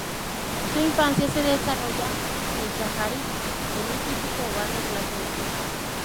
Su infancia se desarrolló en Chajarí, en un típico hogar de clase media.